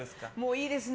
いいですね。